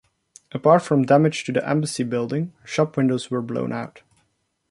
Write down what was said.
Apart from damage to the embassy building, shop windows were blown out.